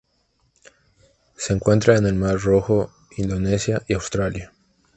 Se encuentra en el Mar Rojo, Indonesia y Australia.